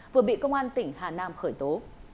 vừa bị công an tỉnh hà nam khởi tố